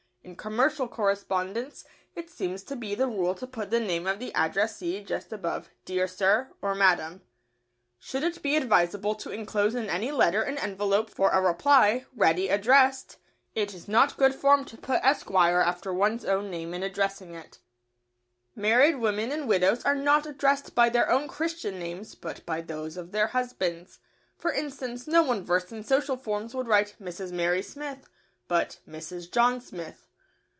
In commercial correspondence it seems to be the rule to put the name of the addressee just above "Dear Sir" or "Madam." [Sidenote: Enclosing reply envelopes.] Should it be advisable to enclose in any letter an envelope for a reply, ready addressed, it is not good form to put "Esq." after one's own name in addressing it. [Sidenote: Addressing married women.] Married women and widows are not addressed by their own Christian names, but by those of their husbands. For instance, no one versed in social forms would write "Mrs. Mary Smith," but "Mrs. John Smith."